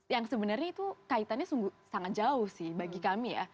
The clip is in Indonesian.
yang sebenarnya itu kaitannya sungguh sangat jauh sih bagi kami ya